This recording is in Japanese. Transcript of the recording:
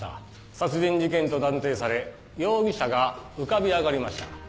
殺人事件と断定され容疑者が浮かび上がりました。